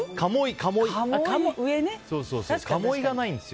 かもいがないんですよ。